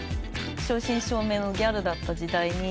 正真正銘のギャルだった時代に。